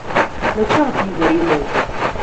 Mačči ɣef yidrimen.